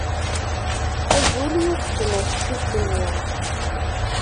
Azul, i d as-d-tenna teqcict-nni.